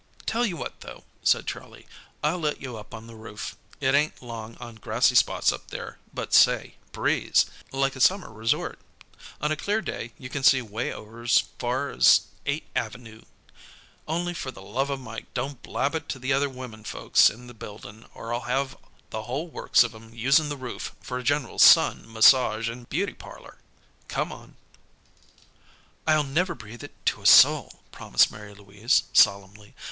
"Tell you what, though," said Charlie. "I'll let you up on the roof. It ain't long on grassy spots up there, but say, breeze! Like a summer resort. On a clear day you can see way over 's far 's Eight' Avenoo. Only for the love of Mike don't blab it to the other women folks in the buildin', or I'll have the whole works of 'em usin' the roof for a general sun, massage, an' beauty parlor. Come on." "I'll never breathe it to a soul," promised Mary Louise, solemnly.